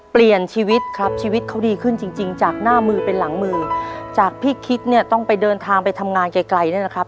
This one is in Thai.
เปลี่ยนชีวิตครับชีวิตเขาดีขึ้นจริงจริงจากหน้ามือเป็นหลังมือจากพี่คิดเนี่ยต้องไปเดินทางไปทำงานไกลไกลเนี่ยนะครับ